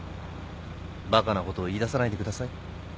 バカなことを言いださないでください。